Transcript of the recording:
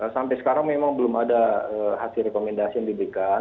sampai sekarang memang belum ada hasil rekomendasi yang diberikan